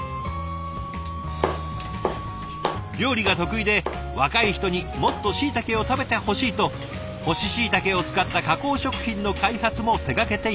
料理が得意で若い人にもっとしいたけを食べてほしいと乾しいたけを使った加工食品の開発も手がけているそうです。